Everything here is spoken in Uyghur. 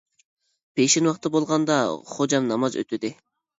پېشىن ۋاقتى بولغاندا خوجام ناماز ئۆتىدى.